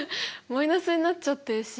マイナスになっちゃってるし。